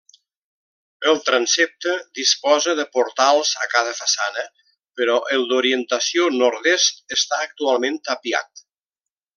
El transsepte disposa de portals a cada façana però el d'orientació nord-est està actualment tapiat.